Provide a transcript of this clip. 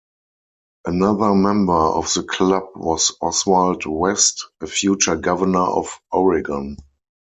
Another member of the club was Oswald West, a future governor of Oregon.